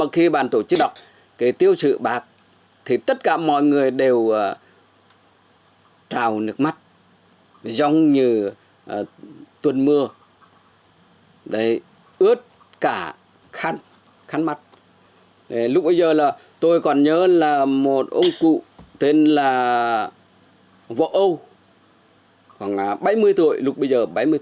khoảng bảy mươi tuổi lúc bây giờ bảy mươi tuổi